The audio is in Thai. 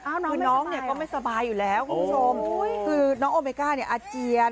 คือน้องเนี่ยก็ไม่สบายอยู่แล้วคุณผู้ชมคือน้องโอเมก้าเนี่ยอาเจียน